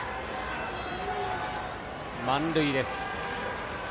満塁です。